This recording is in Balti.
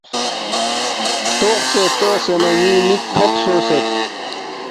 ہلتوخسے ہلتوخسےنہ ن٘ی مِک کُن ٹھوب سونگسید